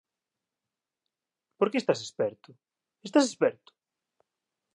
Por que estás esperto? estás esperto?